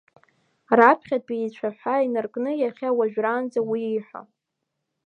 Раԥхьатәи ицәаҳәа инаркны иахьа уажәраанӡа уи ииҳәо…